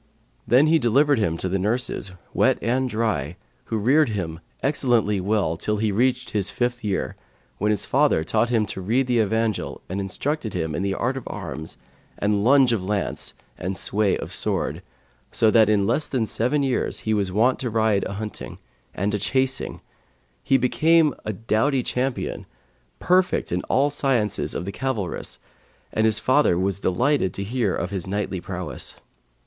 Then he delivered him to the nurses, wet and dry, who reared him excellently well till he reached his fifth year, when his father taught him to read the Evangel and instructed him in the art of arms and lunge of lance and sway of sword, so that in less than seven years he was wont to ride a hunting, and a chasing; he became a doughty champion, perfect in all the science of the cavalarice and his father was delighted to hear of his knightly prowess.